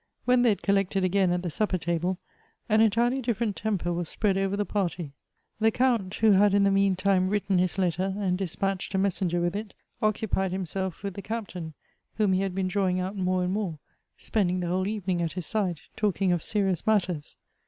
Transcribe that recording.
When they had collected again at the supper table, an entirely different temper was spread over the party. The Count, who had in the meantime written his letter and dispatched a messenger with it, occupied himself with the Captain, whom he had been drawing out more and more — spending the whole evening at his side, talking of serious mutters.